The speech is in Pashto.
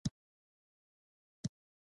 همیشه سپورټ وکړئ.